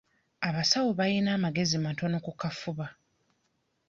Abasawo bayina amagezi matono ku kafuba.